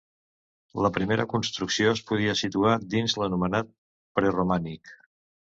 La primera construcció es podria situar dins l'anomenat preromànic.